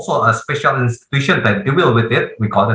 kami juga memiliki institusi khusus yang berguna dengannya